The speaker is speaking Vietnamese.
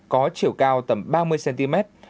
có chiều cao tầm ba mươi cm